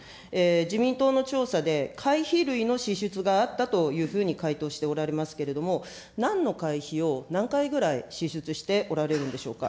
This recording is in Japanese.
自民党の調査で、会費類の支出があったというふうに回答しておられますけれども、なんの会費を何回ぐらい支出しておられるんでしょうか。